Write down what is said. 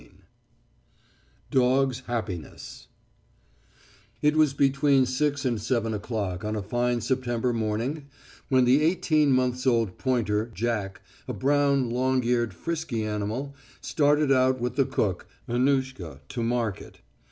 XI DOGS' HAPPINESS It was between six and seven o'clock on a fine September morning when the eighteen months old pointer, Jack, a brown, long eared, frisky animal, started out with the cook, Annushka, to market.